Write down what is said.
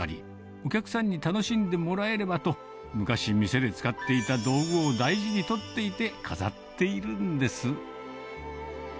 お客さんに楽しんでもらえればと、昔、店で使っていた道具を大事に取っていて、飾っているんです。